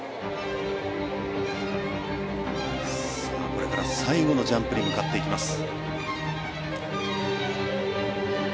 これから最後のジャンプに向かっていきます。